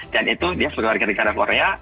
dan itu dia sebagai warga negara korea